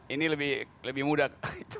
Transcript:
ini lebih mudah